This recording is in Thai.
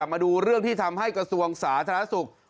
มาดูเรื่องที่ทำให้กระทรวงสาธารณสุข